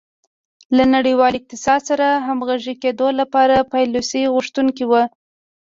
له نړیوال اقتصاد سره د همغږي کېدو لپاره پالیسیو غوښتونکې وه.